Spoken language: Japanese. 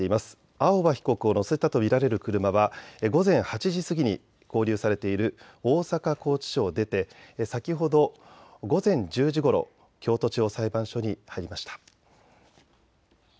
青葉被告を乗せたと見られる車は午前８時過ぎに勾留されている大阪拘置所を出て先ほど午前１０時ごろ京都地方裁判所に入りました。